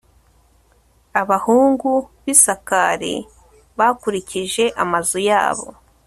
abahungu ba isakari bakurikije amazu yabo